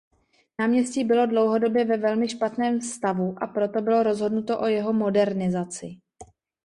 Náměstí bylo dlouhodobě ve velmi špatném stavu a proto bylo rozhodnuto o jeho modernizaci.